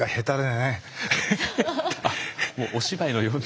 もうお芝居のように。